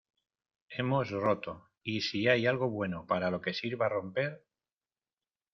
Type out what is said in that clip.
hemos roto, y si hay algo bueno para lo que sirva romper